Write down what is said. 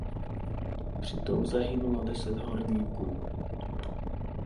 Při tom zahynulo deset horníků.